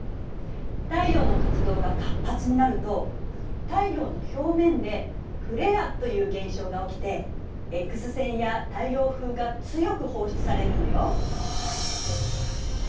太陽の活動が活発になると太陽の表面でフレアという現象が起きてＸ線や太陽風が強く放出されるのよ。